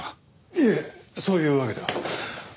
いえそういうわけでは。